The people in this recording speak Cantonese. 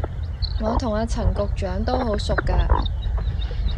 我同阿陳局長都好熟架